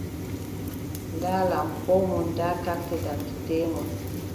Ndaa lampo mon, daa kartedendite mon.